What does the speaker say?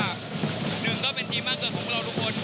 หนึ่งก็เป็นทีมมากเกินของพวกเราทุกคน